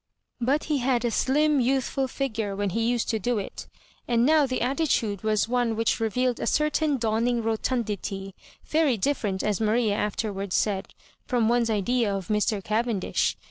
But he had a sKm youthful figure when be used to do it, and now the atti tude was one which revealed a certain dawning rotundity, very different, as Maria afterwards said, from one's idea of Mr. Cavendish.